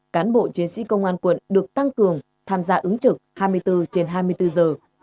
cán bộ chiến sĩ công an quận được tăng cường tham gia ứng trực hai mươi bốn trên hai mươi bốn giờ